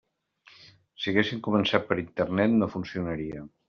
Si haguessin començat per Internet, no funcionaria.